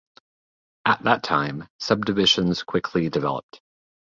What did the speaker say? At that time, subdivisions quickly developed.